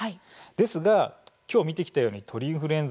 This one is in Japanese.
ですが今日見てきたように鳥インフルエンザ